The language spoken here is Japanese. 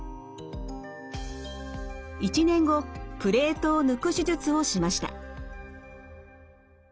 １年後プレートを抜く手術をしました。